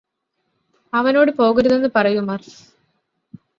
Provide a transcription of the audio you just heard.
അവനോട് പോകരുതെന്ന് പറയൂ മര്ഫ്